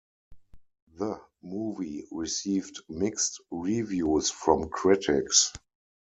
The movie received mixed reviews from critics.